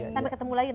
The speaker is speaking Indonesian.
sampai ketemu lagi